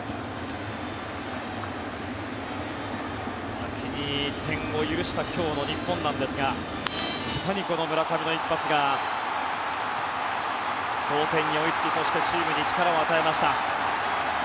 先に点を許した今日の日本なんですがまさに村上の一発が同点に追いつきそしてチームに力を与えました。